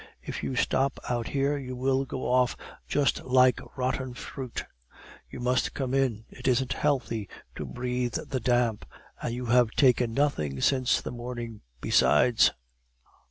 "If you stop out there, you will go off just like rotten fruit. You must come in. It isn't healthy to breathe the damp, and you have taken nothing since the morning, besides."